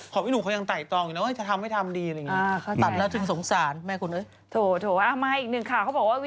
ขอบพี่หนูเค้ายังไต้ตรองอยู่แล้ว